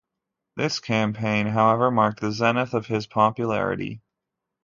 This campaign, however, marked the zenith of his popularity.